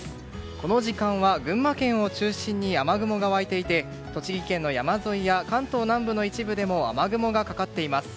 この時間は群馬県を中心に雨雲が湧いていて栃木県の山沿いや関東南部の一部でも雨雲がかかっています。